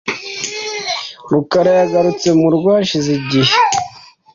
rukara yagarutse murugo hashize igihe .